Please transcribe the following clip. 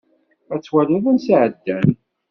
Ad twaliḍ ansi εeddan.